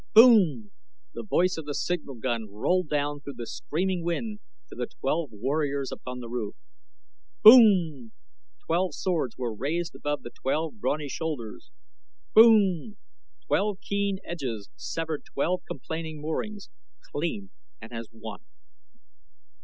Boom! The voice of the signal gun rolled down through the screaming wind to the twelve warriors upon the roof. Boom! Twelve swords were raised above twelve brawny shoulders. Boom! Twelve keen edges severed twelve complaining moorings, clean and as one.